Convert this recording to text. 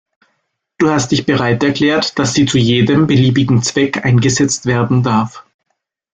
Du hast dich bereit erklärt, dass sie zu jedem beliebigen Zweck eingesetzt werden darf.